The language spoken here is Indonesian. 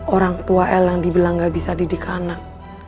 orang tua l yang dibilang gak bisa didik anak